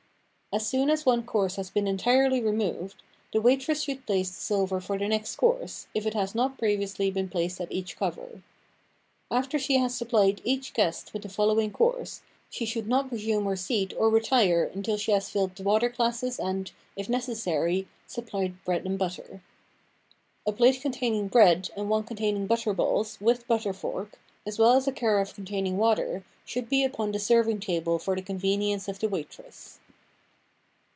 As soon as one course has been entirely removed, the waitress should place the silver for the next course, if it has not previously been placed at each cover. After she has supplied each guest with the following course, she should not resume her seat or retire until she has filled the water glasses and, if necessary, supplied bread and butter. A A dignified and attractive Silver Vase of early Colonial period A plate containing bread and one containing but ter balls (with butter fork), as well as a carafe con taining water, should be upon the serving table for the convenience of the waitress.